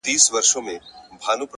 د حقیقت مینه دروغ کمزوري کوي.!